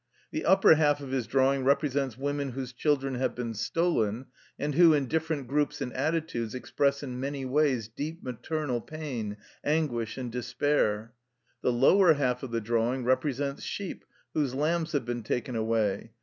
The upper half of his drawing represents women whose children have been stolen, and who in different groups and attitudes, express in many ways deep maternal pain, anguish, and despair. The lower half of the drawing represents sheep whose lambs have been taken away.